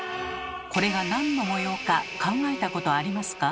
これがなんの模様か考えたことありますか？